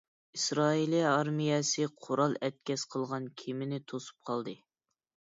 ئىسرائىلىيە ئارمىيەسى قورال ئەتكەس قىلغان كېمىنى توسۇپ قالدى.